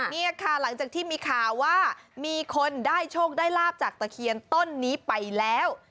นี่ค่ะหลังจากที่มีข่าวว่ามีคนได้โชคได้ลาบจากตะเคียนต้นนี้ไปแล้ว